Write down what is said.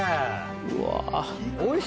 うわ。